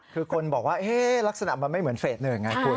คือคนบอกว่าลักษณะมันไม่เหมือนเฟส๑ไงคุณ